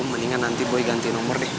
mendingan nanti boy ganti nomor deh